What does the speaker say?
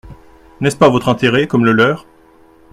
N’est-ce pas votre intérêt comme le leur ?